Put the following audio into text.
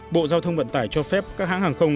bộ giao thông vận tải cho phép các hãng hàng không